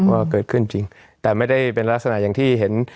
ว่าเกิดขึ้นจริงแต่ไม่ได้เป็นลักษณะอย่างที่เห็น